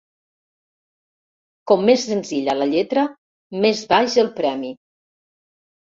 Com més senzilla la lletra, més baix el premi.